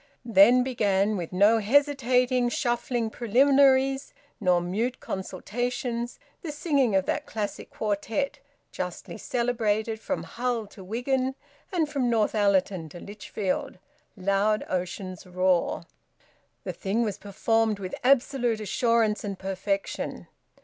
Then began, with no hesitating shuffling preliminaries nor mute consultations, the singing of that classic quartet, justly celebrated from Hull to Wigan and from Northallerton to Lichfield, "Loud Ocean's Roar." The thing was performed with absolute assurance and perfection.